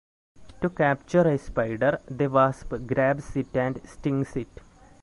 To capture a spider, the wasp grabs it and stings it.